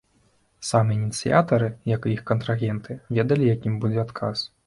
Самі ініцыятары, як і іх контрагенты, ведалі, якім будзе адказ.